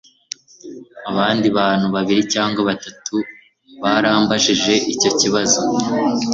Abandi bantu babiri cyangwa batatu barambajije icyo kibazo